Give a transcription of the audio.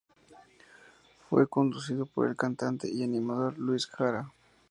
Fue conducido por el cantante y animador Luis Jara.